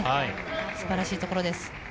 素晴らしいところです。